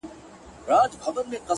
• زه هم خطا وتمه،